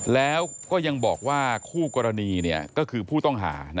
แล้วก็ยังบอกว่าคู่กรณีก็คือผู้ต้องหา